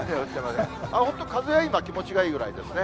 本当、風は今、気持ちがいいぐらいですね。